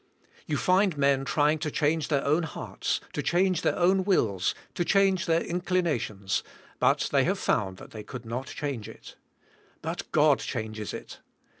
You find men trying to change their own hearts, to change their own wills, to change their inclina tions, but they have found that they could not change it. But God changes it.